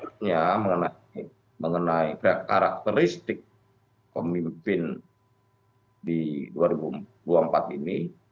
sebenarnya mengenai karakteristik pemimpin di dua ribu dua puluh empat ini